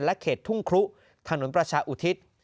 เขตทุ่งครุถนนประชาอุทิศ